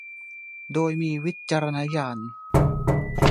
โดยมีวิจารณญาณ